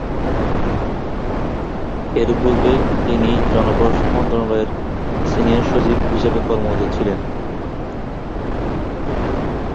এর পূর্বে তিনি জনপ্রশাসন মন্ত্রণালয়ের সিনিয়র সচিব হিসেবে কর্মরত ছিলেন।